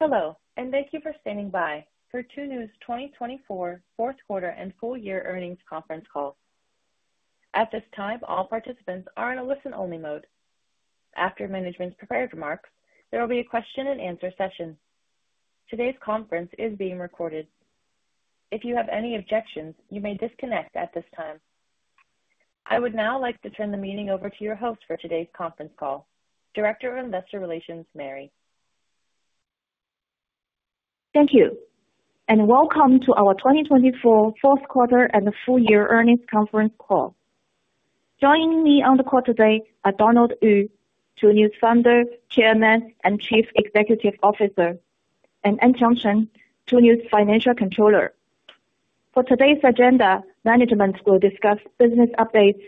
Hello, and thank you for standing by for Tuniu's 2024 Fourth Quarter and Full Year Earnings Conference Call. At this time, all participants are in a listen-only mode. After management's prepared remarks, there will be a question-and-answer session. Today's conference is being recorded. If you have any objections, you may disconnect at this time. I would now like to turn the meeting over to your host for today's conference call, Director of Investor Relations, Mary. Thank you, and welcome to our 2024 Fourth Quarter and the Full Year Earnings Conference Call. Joining me on the call today are Donald Yu, Tuniu's founder, chairman, and chief executive officer, and Anqiang Chen, Tuniu's financial controller. For today's agenda, management will discuss business updates,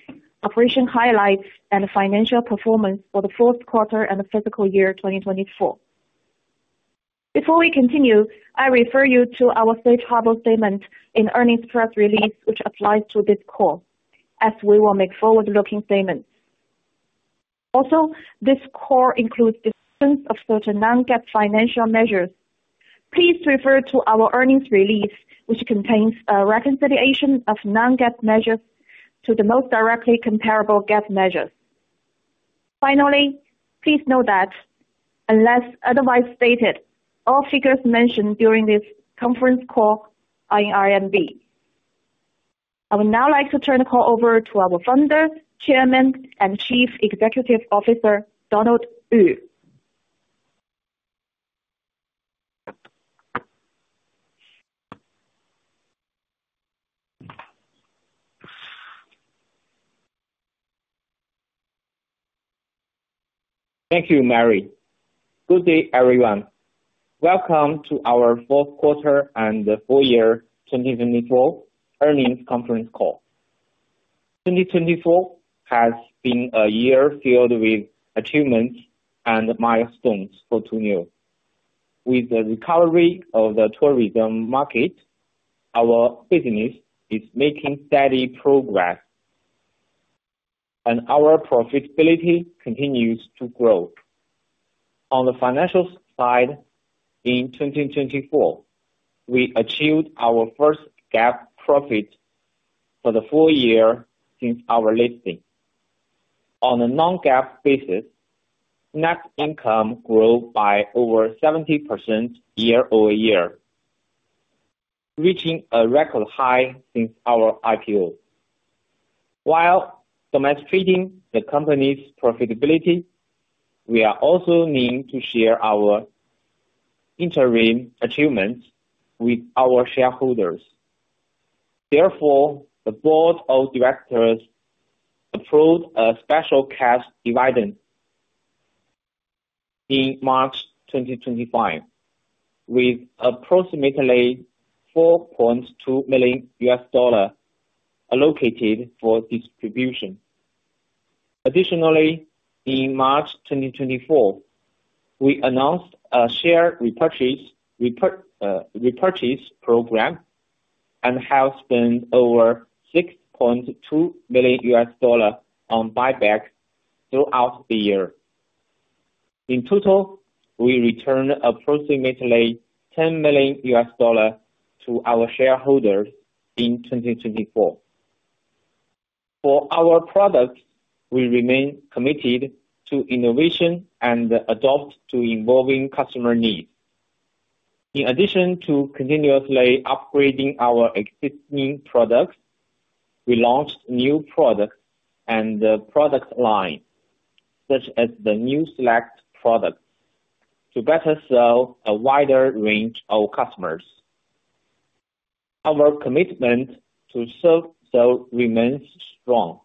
operation highlights, and financial performance for the fourth quarter and the fiscal year 2024. Before we continue, I refer you to our safe harbor statement in earnings press release, which applies to this call, as we will make forward-looking statements. Also, this call includes discussions of certain non-GAAP financial measures. Please refer to our earnings release, which contains a reconciliation of non-GAAP measures to the most directly comparable GAAP measures. Finally, please note that, unless otherwise stated, all figures mentioned during this conference call are in RMB. I would now like to turn the call over to our founder, chairman, and chief executive officer, Donald Yu. Thank you, Mary. Good day, everyone. Welcome to our Fourth Quarter and the Full Year 2024 Earnings Conference Call. 2024 has been a year filled with achievements and milestones for Tuniu. With the recovery of the tourism market, our business is making steady progress, and our profitability continues to grow. On the financial side, in 2024, we achieved our first GAAP profit for the full year since our listing. On a non-GAAP basis, net income grew by over 70% year-over-year, reaching a record high since our IPO. While demonstrating the company's profitability, we are also needing to share our interim achievements with our shareholders. Therefore, the board of directors approved a special cash dividend in March 2025, with approximately $4.2 million allocated for distribution. Additionally, in March 2024, we announced a share repurchase program and have spent over $6.2 million on buyback throughout the year. In total, we returned approximately $10 million to our shareholders in 2024. For our products, we remain committed to innovation and adapt to evolving customer needs. In addition to continuously upgrading our existing products, we launched new products and product lines, such as the Niu Select product, to better serve a wider range of customers. Our commitment to self-serve remains strong,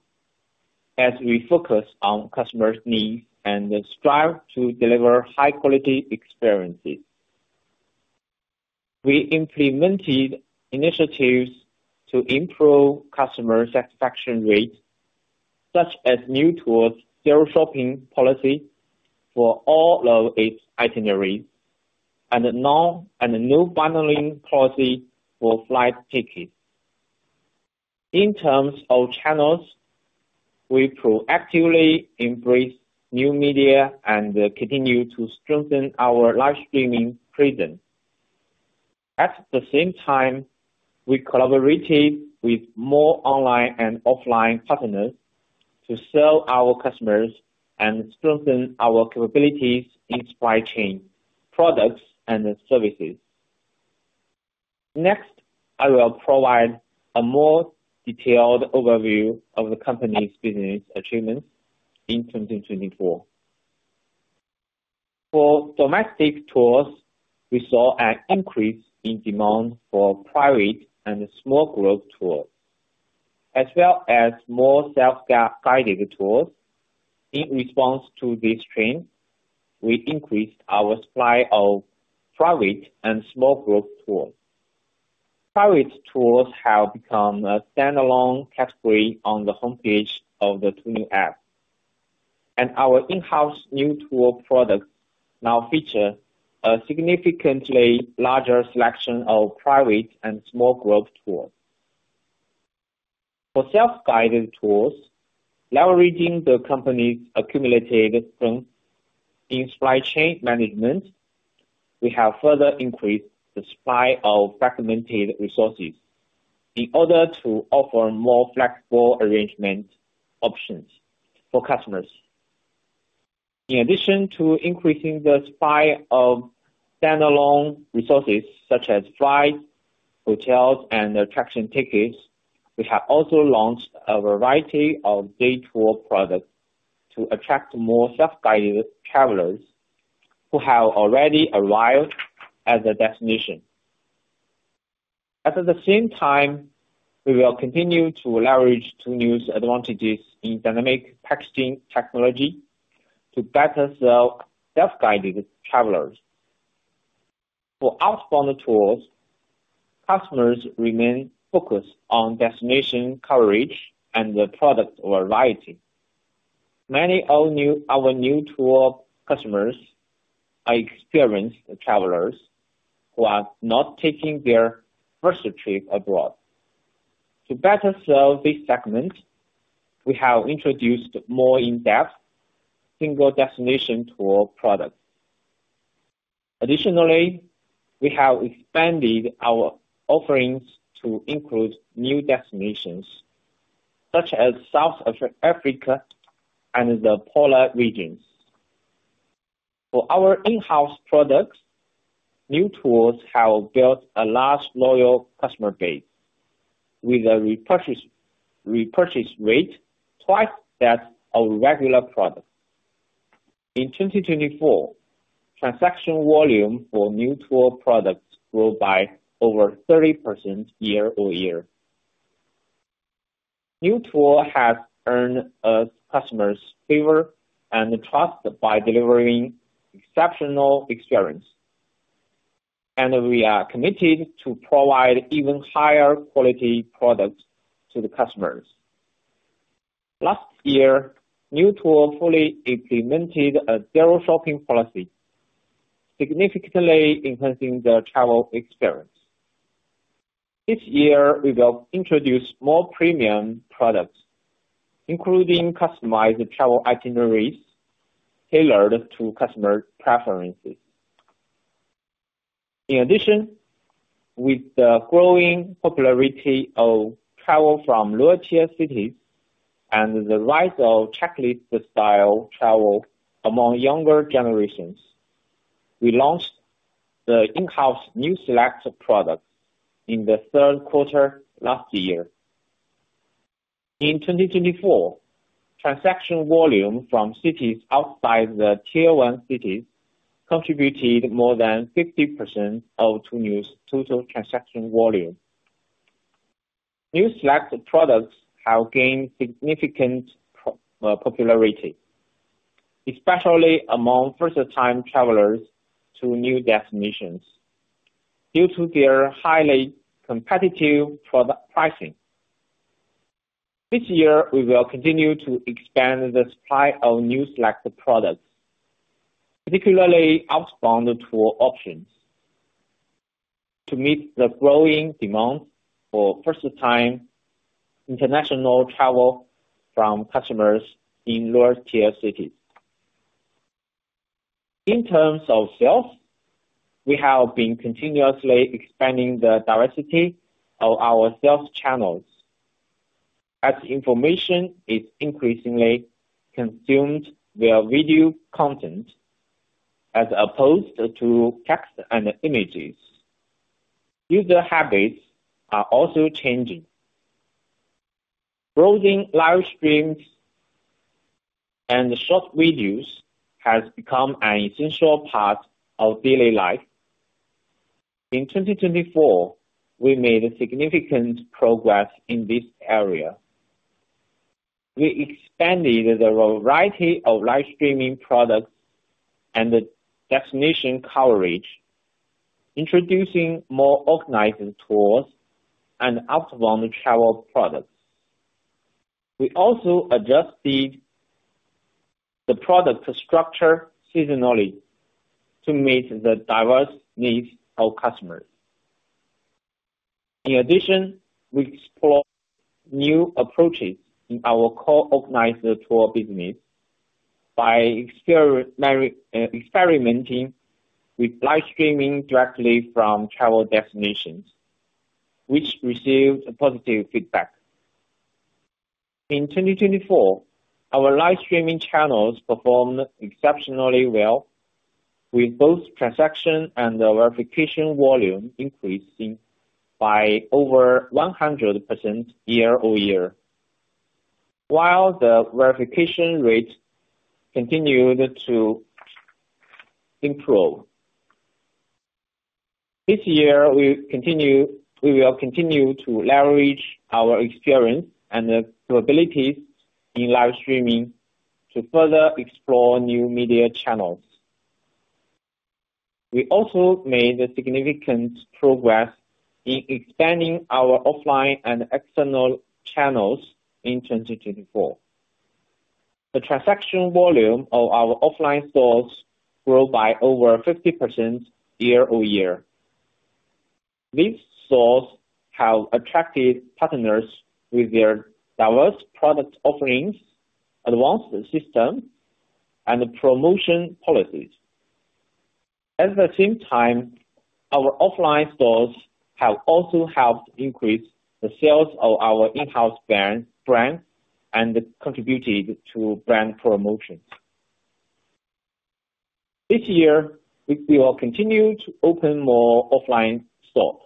as we focus on customers' needs and strive to deliver high-quality experiences. We implemented initiatives to improve customer satisfaction rates, such as Niu Tour's zero-shopping policy for all of its itineraries and a no-bundling policy for flight tickets. In terms of channels, we proactively embraced new media and continue to strengthen our live streaming presence. At the same time, we collaborated with more online and offline partners to serve our customers and strengthen our capabilities in supply chain products and services. Next, I will provide a more detailed overview of the company's business achievements in 2024. For domestic tours, we saw an increase in demand for private and small group tours, as well as more self-guided tours. In response to this trend, we increased our supply of private and small group tours. Private tours have become a standalone category on the homepage of the Tuniu app, and our in-house Niu Tour product now features a significantly larger selection of private and small group tours. For self-guided tours, leveraging the company's accumulated strength in supply chain management, we have further increased the supply of fragmented resources in order to offer more flexible arrangement options for customers. In addition to increasing the supply of standalone resources such as flights, hotels, and attraction tickets, we have also launched a variety of day tour products to attract more self-guided travelers who have already arrived at the destination. At the same time, we will continue to leverage Tuniu's advantages in dynamic packaging technology to better serve self-guided travelers. For outbound tours, customers remain focused on destination coverage and the product variety. Many of our Niu Tour customers are experienced travelers who are not taking their first trip abroad. To better serve this segment, we have introduced more in-depth single destination tour products. Additionally, we have expanded our offerings to include new destinations such as South Africa and the polar regions. For our in-house products, Niu Tours have built a large loyal customer base, with a repurchase rate twice that of regular products. In 2024, transaction volume for Niu Tour products grew by over 30% year-over-year. Niu Tour has earned us customers' favor and trust by delivering exceptional experience, and we are committed to provide even higher quality products to the customers. Last year, Niu Tour fully implemented a zero-shopping policy, significantly enhancing the travel experience. This year, we will introduce more premium products, including customized travel itineraries tailored to customer preferences. In addition, with the growing popularity of travel from lower-tier cities and the rise of checklist-style travel among younger generations, we launched the in-house Niu Select product in the third quarter last year. In 2024, transaction volume from cities outside the tier one cities contributed more than 50% of Tuniu's total transaction volume. Niu Select products have gained significant popularity, especially among first-time travelers to new destinations due to their highly competitive pricing. This year, we will continue to expand the supply of Niu Select products, particularly outbound tour options, to meet the growing demand for first-time international travel from customers in lower-tier cities. In terms of sales, we have been continuously expanding the diversity of our sales channels. As information is increasingly consumed via video content as opposed to text and images, user habits are also changing. Browsing live streams and short videos has become an essential part of daily life. In 2024, we made significant progress in this area. We expanded the variety of live streaming products and destination coverage, introducing more organized tours and outbound travel products. We also adjusted the product structure seasonally to meet the diverse needs of customers. In addition, we explored new approaches in our co-organized tour business by experimenting with live streaming directly from travel destinations, which received positive feedback. In 2024, our live streaming channels performed exceptionally well, with both transaction and verification volume increasing by over 100% year-over-year, while the verification rate continued to improve. This year, we will continue to leverage our experience and capabilities in live streaming to further explore new media channels. We also made significant progress in expanding our offline and external channels in 2024. The transaction volume of our offline stores grew by over 50% year-over-year. These stores have attracted partners with their diverse product offerings, advanced systems, and promotion policies. At the same time, our offline stores have also helped increase the sales of our in-house brand and contributed to brand promotions. This year, we will continue to open more offline stores,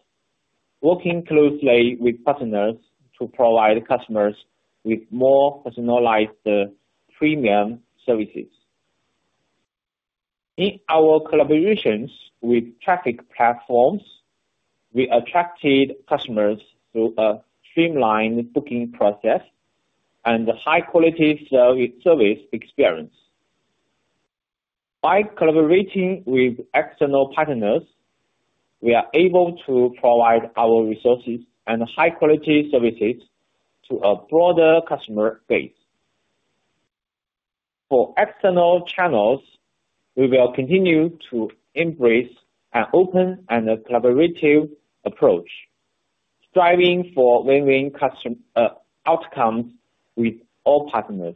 working closely with partners to provide customers with more personalized premium services. In our collaborations with traffic platforms, we attracted customers through a streamlined booking process and a high-quality service experience. By collaborating with external partners, we are able to provide our resources and high-quality services to a broader customer base. For external channels, we will continue to embrace an open and collaborative approach, striving for win-win outcomes with all partners.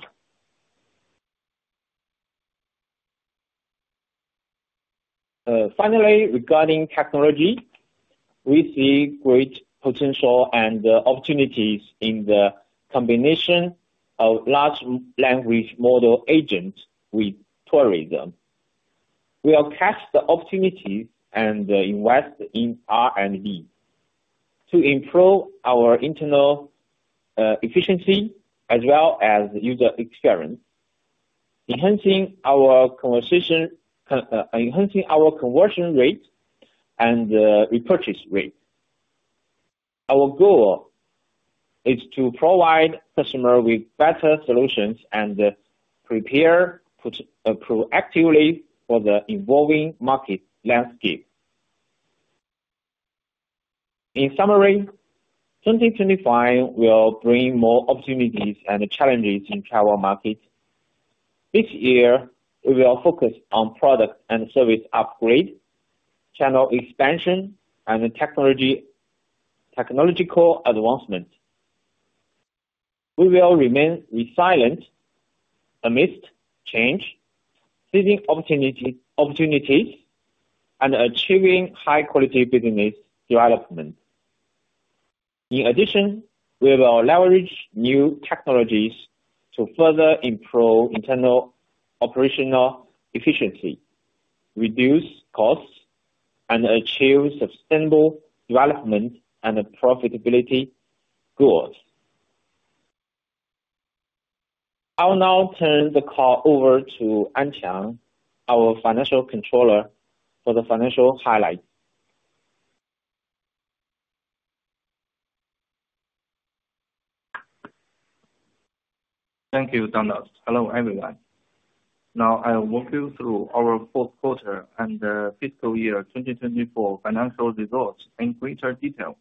Finally, regarding technology, we see great potential and opportunities in the combination of large language model agents with tourism. We will catch the opportunities and invest in R&D to improve our internal efficiency as well as user experience, enhancing our conversion rate and repurchase rate. Our goal is to provide customers with better solutions and prepare proactively for the evolving market landscape. In summary, 2025 will bring more opportunities and challenges in the travel market. This year, we will focus on product and service upgrade, channel expansion, and technological advancement. We will remain resilient amidst change, seizing opportunities, and achieving high-quality business development. In addition, we will leverage new technologies to further improve internal operational efficiency, reduce costs, and achieve sustainable development and profitability goals. I will now turn the call over to Anqiang, our Financial Controller, for the financial highlights. Thank you, Donald. Hello, everyone. Now, I will walk you through our fourth quarter and the fiscal year 2024 financial results in greater detail.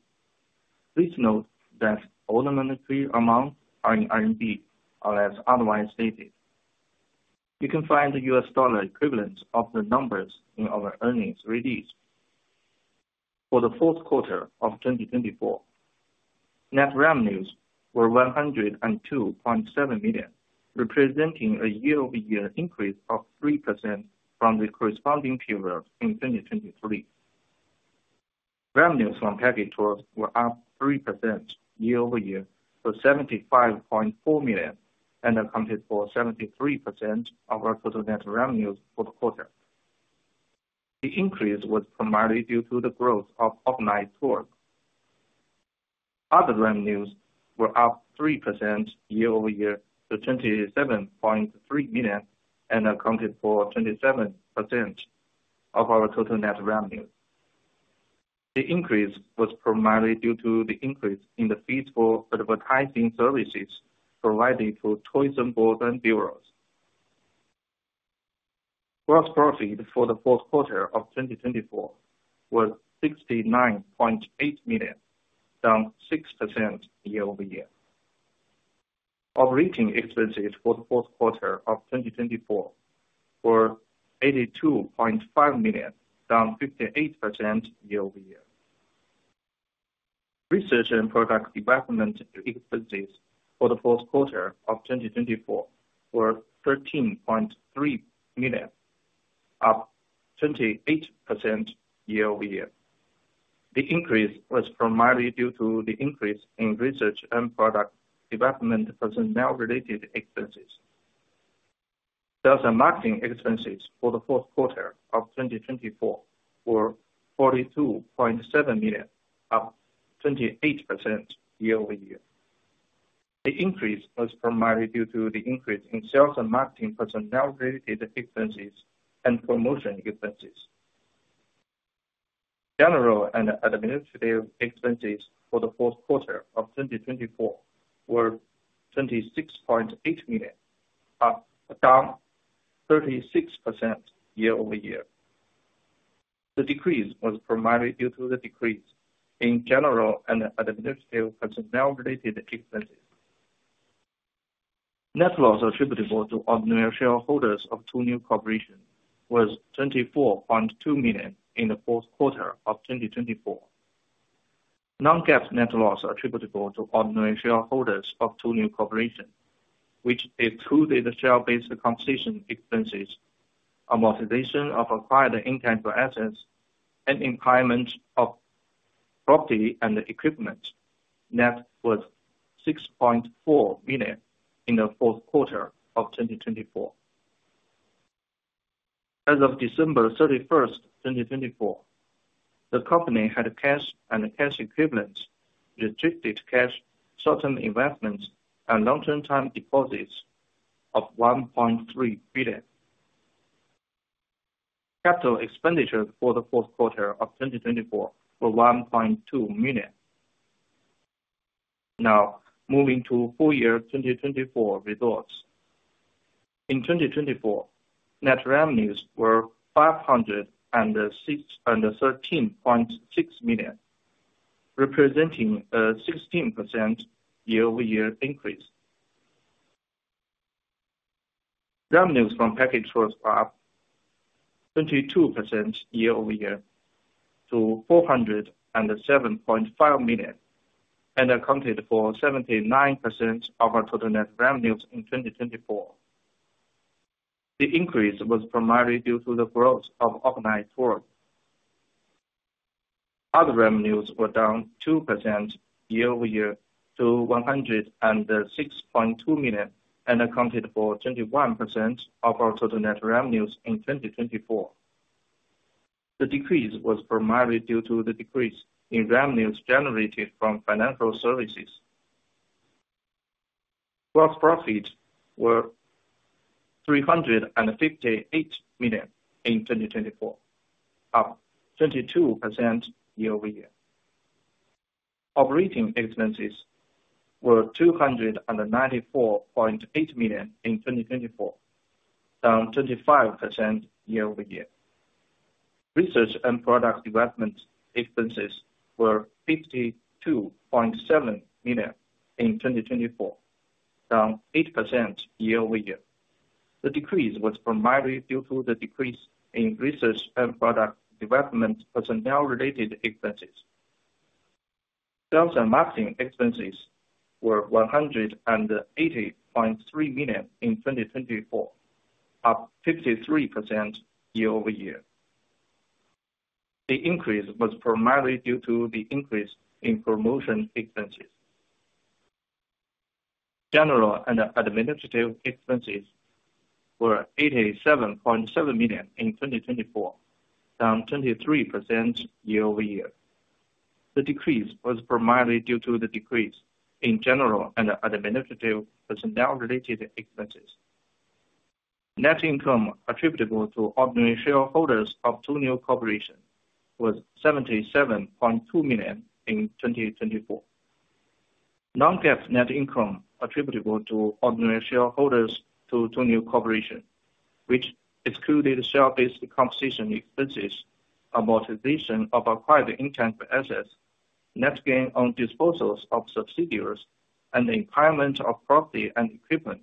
Please note that all the monetary amounts are in RMB, as otherwise stated. You can find the U.S. dollar equivalent of the numbers in our earnings release. For the fourth quarter of 2024, net revenues were 102.7 million, representing a year-over-year increase of 3% from the corresponding period in 2023. Revenues from package tours were up 3% year-over-year to 75.4 million and accounted for 73% of our total net revenues for the quarter. The increase was primarily due to the growth of organized tours. Other revenues were up 3% year-over-year to 27.3 million and accounted for 27% of our total net revenue. The increase was primarily due to the increase in the fees for advertising services provided to tourism boards and bureaus. Gross profit for the fourth quarter of 2024 was 69.8 million, down 6% year-over-year. Operating expenses for the fourth quarter of 2024 were RMB 82.5 million, down 58% year-over-year. Research and product development expenses for the fourth quarter of 2024 were 13.3 million, up 28% year-over-year. The increase was primarily due to the increase in research and product development personnel-related expenses. Sales and marketing expenses for the fourth quarter of 2024 were 42.7 million, up 28% year-over-year. The increase was primarily due to the increase in sales and marketing personnel-related expenses and promotion expenses. General and administrative expenses for the fourth quarter of 2024 were 26.8 million, up 36% year-over-year. The decrease was primarily due to the decrease in general and administrative personnel-related expenses. Net loss attributable to ordinary shareholders of Tuniu Corporation was 24.2 million in the fourth quarter of 2024. Non-GAAP net loss attributable to ordinary shareholders of Tuniu Corporation, which excludes share-based compensation expenses, amortization of acquired intangible assets, and impairment of property and equipment, net, was 6.4 million in the fourth quarter of 2024. As of December 31, 2024, the company had cash and cash equivalents, restricted cash, short-term investments, and long-term time deposits of RMB 1.3 billion. Capital expenditure for the fourth quarter of 2024 was 1.2 million. Now, moving to full year 2024 results. In 2024, net revenues were 513.6 million, representing a 16% year-over-year increase. Revenues from package tours were up 22% year-over-year to 407.5 million and accounted for 79% of our total net revenues in 2024. The increase was primarily due to the growth of organized tours. Other revenues were down 2% year-over-year to 106.2 million and accounted for 21% of our total net revenues in 2024. The decrease was primarily due to the decrease in revenues generated from financial services. Gross profit was RMB 358 million in 2024, up 22% year-over-year. Operating expenses were 294.8 million in 2024, down 25% year-over-year. Research and product development expenses were 52.7 million in 2024, down 8% year-over-year. The decrease was primarily due to the decrease in research and product development personnel-related expenses. Sales and marketing expenses were 180.3 million in 2024, up 53% year-over-year. The increase was primarily due to the increase in promotion expenses. General and administrative expenses were 87.7 million in 2024, down 23% year-over-year. The decrease was primarily due to the decrease in general and administrative personnel-related expenses. Net income attributable to ordinary shareholders of Tuniu Corporation was 77.2 million in 2024. Non-GAAP net income attributable to ordinary shareholders of Tuniu Corporation, which excluded share-based compensation expenses, amortization of acquired intangible assets, net gain on disposals of subsidiaries, and impairment of property and equipment,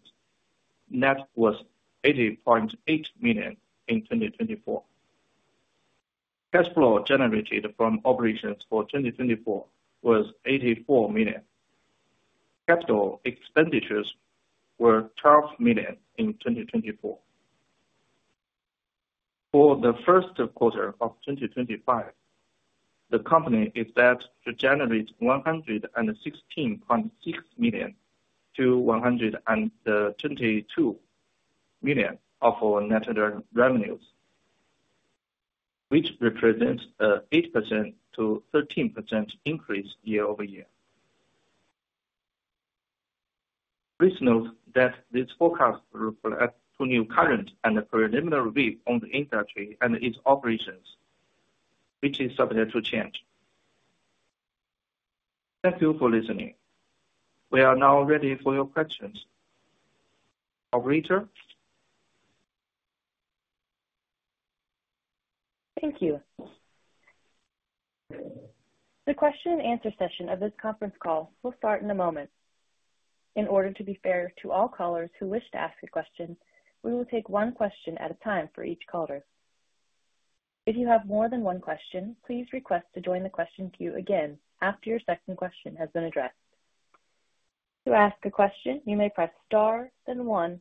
net, was 80.8 million in 2024. Cash flow generated from operations for 2024 was 84 million. Capital expenditures were 12 million in 2024. For the first quarter of 2025, the company is set to generate 116.6 million-122 million of net revenues, which represents an 8%-13% increase year-over-year. Please note that this forecast reflects Tuniu's current and preliminary view on the industry and its operations, which is subject to change. Thank you for listening. We are now ready for your questions. Operator? Thank you. The question-and-answer session of this conference call will start in a moment. In order to be fair to all callers who wish to ask a question, we will take one question at a time for each caller. If you have more than one question, please request to join the question queue again after your second question has been addressed. To ask a question, you may press star, then one.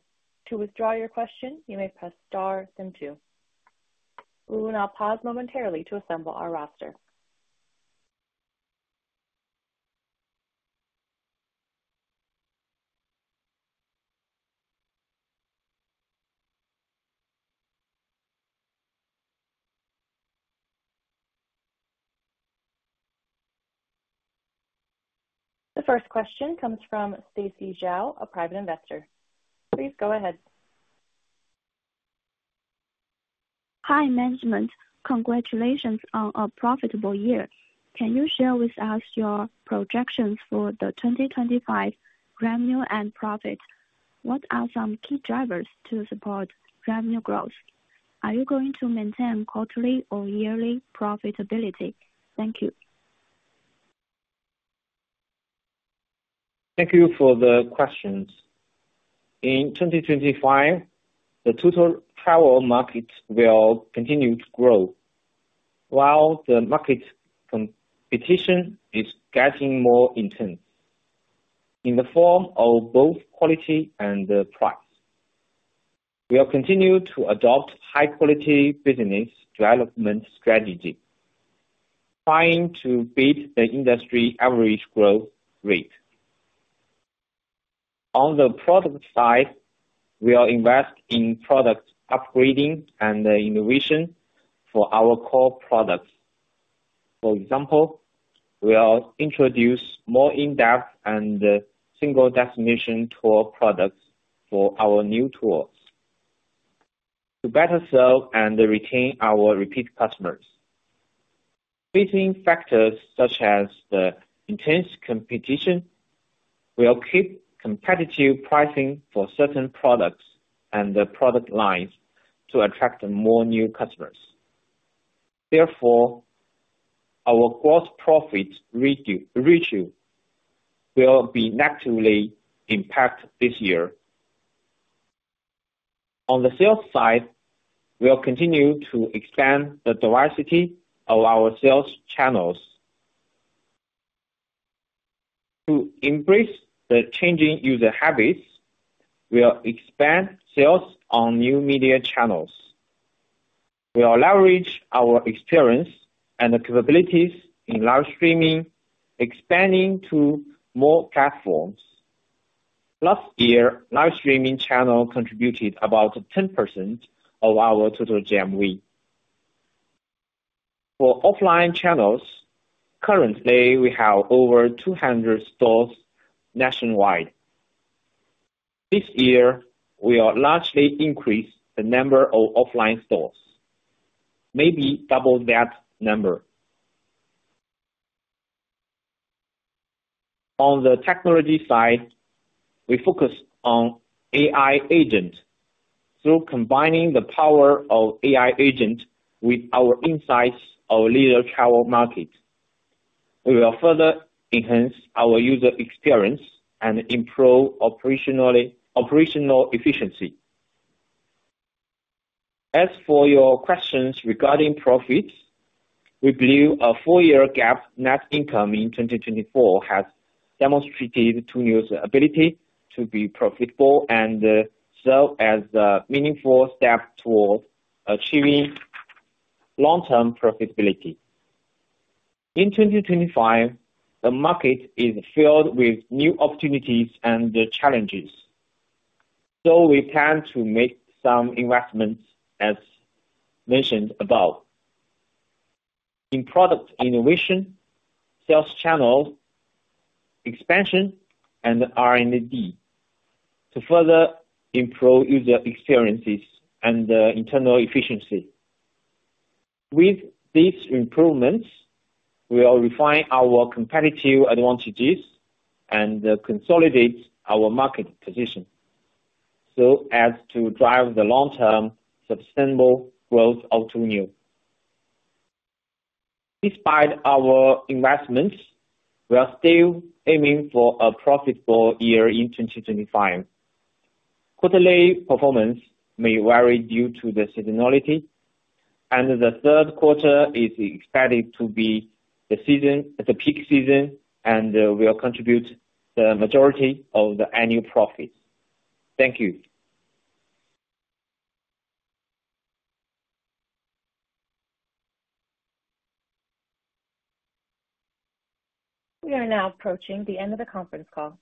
To withdraw your question, you may press star, then two. We will now pause momentarily to assemble our roster. The first question comes from Stacy Zhao, a private investor. Please go ahead. Hi, management. Congratulations on a profitable year. Can you share with us your projections for the 2025 revenue and profit? What are some key drivers to support revenue growth? Are you going to maintain quarterly or yearly profitability? Thank you. Thank you for the questions. In 2025, the total travel market will continue to grow while the market competition is getting more intense in the form of both quality and price. We will continue to adopt high-quality business development strategies, trying to beat the industry average growth rate. On the product side, we will invest in product upgrading and innovation for our core products. For example, we will introduce more in-depth and single-destination tour products for our Niu Tours to better serve and retain our repeat customers. Sweeping factors such as the intense competition will keep competitive pricing for certain products and product lines to attract more new customers. Therefore, our gross profit ratio will be negatively impacted this year. On the sales side, we will continue to expand the diversity of our sales channels. To embrace the changing user habits, we will expand sales on new media channels. We will leverage our experience and capabilities in live streaming, expanding to more platforms. Last year, live streaming channels contributed about 10% of our total GMV. For offline channels, currently, we have over 200 stores nationwide. This year, we will largely increase the number of offline stores, maybe double that number. On the technology side, we focus on AI agents through combining the power of AI agents with our insights on the leisure travel market. We will further enhance our user experience and improve operational efficiency. As for your questions regarding profits, we believe a full year GAAP net income in 2024 has demonstrated Tuniu's ability to be profitable and serve as a meaningful step toward achieving long-term profitability. In 2025, the market is filled with new opportunities and challenges, so we plan to make some investments, as mentioned above, in product innovation, sales channels expansion, and R&D to further improve user experiences and internal efficiency. With these improvements, we will refine our competitive advantages and consolidate our market position so as to drive the long-term sustainable growth of Tuniu. Despite our investments, we are still aiming for a profitable year in 2025. Quarterly performance may vary due to the seasonality, and the third quarter is expected to be the peak season, and we will contribute the majority of the annual profits. Thank you. We are now approaching the end of the conference call.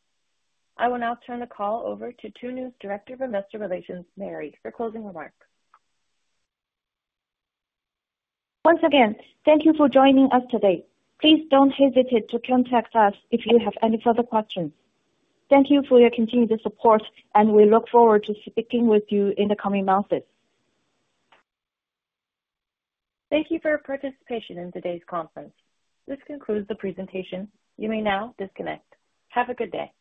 I will now turn the call over to Tuniu's Director of Investor Relations, Mary, for closing remarks. Once again, thank you for joining us today. Please don't hesitate to contact us if you have any further questions. Thank you for your continued support, and we look forward to speaking with you in the coming months. Thank you for your participation in today's conference. This concludes the presentation. You may now disconnect. Have a good day.